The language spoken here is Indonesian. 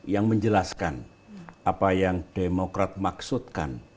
yang menjelaskan apa yang demokrat maksudkan